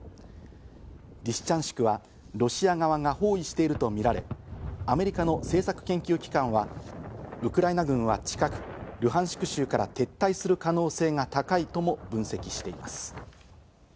リシチャンシクはロシア側が包囲しているとみられ、アメリカの政策研究機関は、ウクライナ軍は近くルハンシク州から撤退する可能性が高いとも分析しています。